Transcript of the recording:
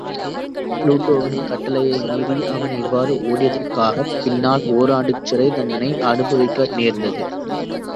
புளுட்டோவின் கட்டடளையை மீறி அவன் இவ்வாறு ஓட்டியதற்காகப் பின்னால் ஓராண்டுச் சிறைத்தண்டனை அநுபவிக்க நேர்ந்தது.